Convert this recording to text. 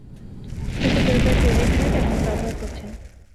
কিন্তু কেউ তার ক্রেডিট কার্ড এখনো ব্যাবহার করছেন।